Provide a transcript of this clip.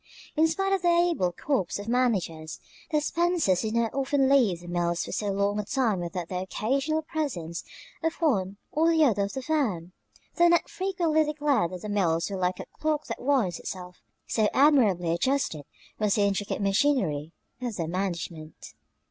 In spite of their able corps of managers, the Spencers did not often leave the mills for so long a time without the occasional presence of one or the other of the firm, though Ned frequently declared that the mills were like a clock that winds itself, so admirably adjusted was the intricate machinery of their management.